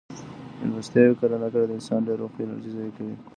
مېلمستیاوې کله ناکله د انسان ډېر وخت او انرژي ضایع کوي.